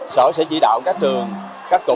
sở sẽ chỉ đạo các trường